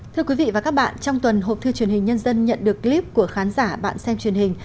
thưa quý vị và các bạn trong tuần hộp thư truyền hình nhân dân nhận được clip của khán giả bạn xem truyền hình